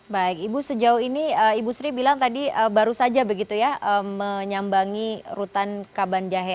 baik ibu sejauh ini ibu sri bilang tadi baru saja begitu ya menyambangi rutan kabanjahe